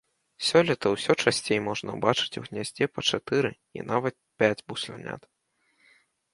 Сёлета ўсё часцей можна ўбачыць у гняздзе па чатыры і нават пяць буслянят.